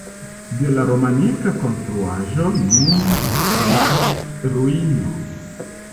De la romanika konstruaĵo nur restas ruino.